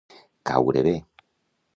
Caure bé.